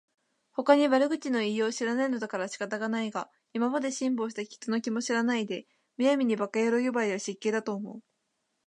ほかに悪口の言いようを知らないのだから仕方がないが、今まで辛抱した人の気も知らないで、無闇に馬鹿野郎呼ばわりは失敬だと思う